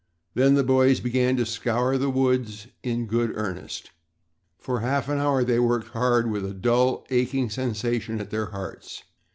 Then the boys began to scour the woods in good earnest. For half an hour they worked hard with a dull, aching sensation at their hearts.